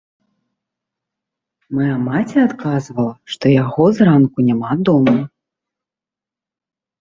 Мая маці адказвала, што яго зранку няма дома.